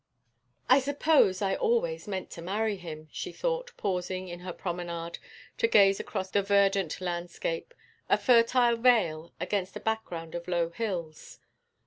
'I suppose I always meant to marry him,' she thought, pausing in her promenade to gaze across the verdant landscape, a fertile vale, against a background of low hills.